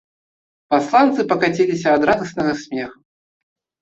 Пасланцы пакаціліся ад радаснага смеху.